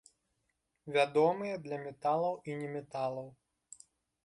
Вядомыя для металаў і неметалаў.